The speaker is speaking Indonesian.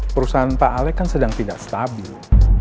perusahaan pak alex kan sedang tidak stabil